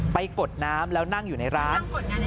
กดน้ำแล้วนั่งอยู่ในร้าน